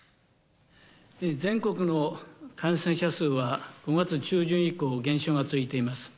全国の感染者数は５月中旬以降、減少が続いています。